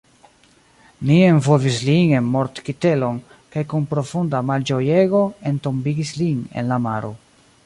Ni envolvis lin en mortkitelon, kaj kun profunda malĝojego, entombigis lin en la maro.